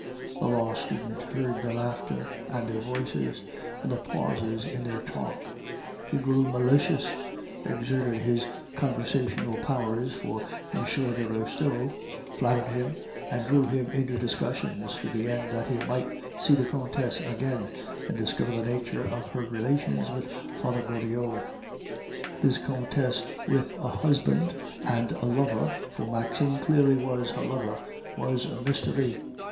The law student heard their laughter, and their voices, and the pauses in their talk; he grew malicious, exerted his conversational powers for M. de Restaud, flattered him, and drew him into discussions, to the end that he might see the Countess again and discover the nature of her relations with Father Goriot. This Countess with a husband and a lover, for Maxime clearly was her lover, was a mystery.